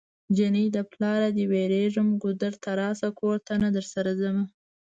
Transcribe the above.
جنۍ د پلاره دی ويريږم ګودر ته راشه کور ته نه درسره ځمه